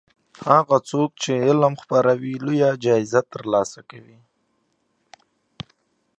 هغه څوک چې علم خپروي لویه جایزه ترلاسه کوي.